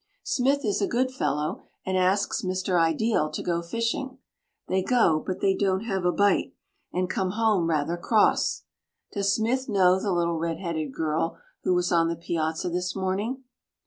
Smith is a good fellow and asks Mr. Ideal to go fishing. They go, but don't have a bite, and come home rather cross. Does Smith know the little red headed girl who was on the piazza this morning?